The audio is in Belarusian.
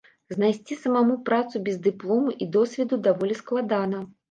Знайсці самому працу без дыплому і досведу даволі складана.